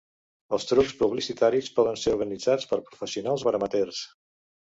Els trucs publicitaris poden ser organitzats per professionals o per amateurs.